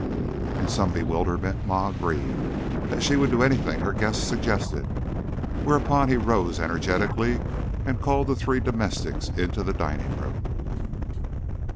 In some bewilderment Ma agreed that she would do anything her guest suggested, whereupon he rose energetically and called the three domestics into the dining room.